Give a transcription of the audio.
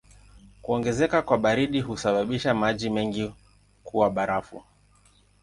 Kuongezeka kwa baridi husababisha maji mengi kuwa barafu.